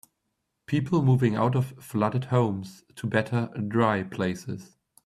People moving out of flooded homes to better dry places.